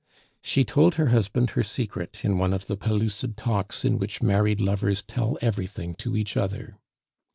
She told her husband her secret in one of the pellucid talks in which married lovers tell everything to each other.